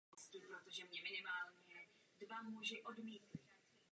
Siluetu má sameček i samička stejnou.